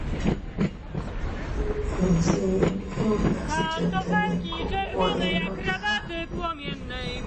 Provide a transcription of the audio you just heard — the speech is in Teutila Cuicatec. Insiin inñas chetendikokuennooya.